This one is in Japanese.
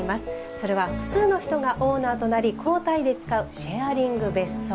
それは複数の人がオーナーとなり交代で使うシェアリング別荘。